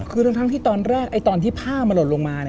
คือทั้งที่ตอนแรกตอนที่ผ้ามันหล่นลงมา